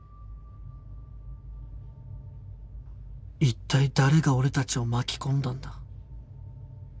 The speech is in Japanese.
一体誰が俺たちを巻き込んだんだ？